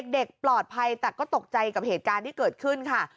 เด็กปลอดภัยแต่ก็ตกใจกับเหตุการณ์ที่เกิดขึ้นค่ะ